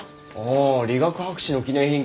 あ理学博士の記念品か。